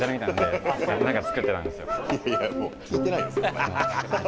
いやいやもう聞いてないよ。